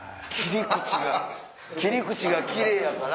切り口がキレイやから。